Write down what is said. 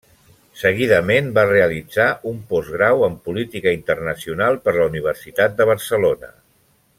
Seguidament va realitzar un Postgrau en Política internacional per la Universitat de Barcelona.